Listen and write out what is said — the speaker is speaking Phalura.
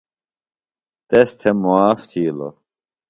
تس تھےۡ معاف تھِیلوۡ۔